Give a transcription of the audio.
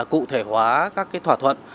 cụ thể hóa các thỏa thuận